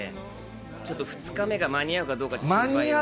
ちょっと２日目が間に合うかどうか、心配は。